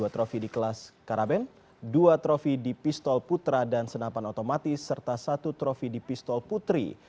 dua trofi di kelas karaben dua trofi di pistol putra dan senapan otomatis serta satu trofi di pistol putri